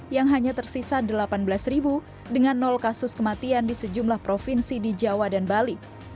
yang hanya tersisa delapan belas dengan kasus kematian di sejumlah provinsi di jawa dan bali